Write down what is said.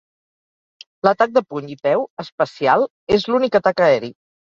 L'atac de puny i peu especial és l'únic atac aeri.